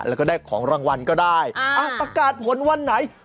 แล้วก็ได้ของรางวัลก็ได้ประกาศผลวันไหน